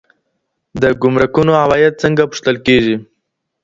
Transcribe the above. د ګمرکونو عواید څنګه پوښتل کیږي؟